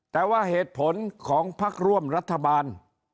แต่ว่าเหตุผลของพักร่วมรัฐบาล